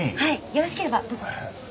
よろしければどうぞ。